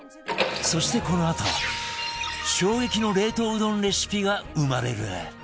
そしてこのあと衝撃の冷凍うどんレシピが生まれる